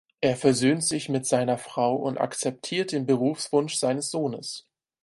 Er versöhnt sich mit seiner Frau und akzeptiert den Berufswunsch seines Sohnes.